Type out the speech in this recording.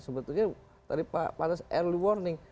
sebetulnya tadi pak pantas early warning